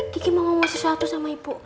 kiki mau ngomong sesuatu sama ibu